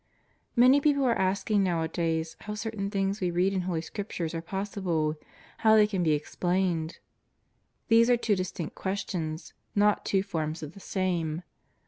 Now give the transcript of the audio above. Many people are asking nowadays how certain things we read in Holy Scriptures are possible, how they ^an be explained. These are two distinct questions, not two forms of the same.